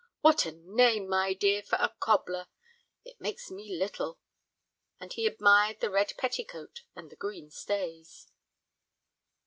What a name, my dear, for a cobbler! It likes me little." And he admired the red petticoat and the green stays.